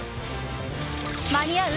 間にあう？